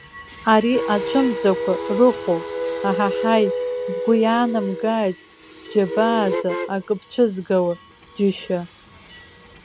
Ари ацәымзақәа рыхәоуп, аҳаҳаи, бгәы иаанамгааит сџьабаазы акы бцәызгауа џьышьа.